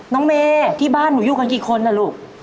น้องเมย์ที่บ้านหนูอยู่กันกี่คนนะลูก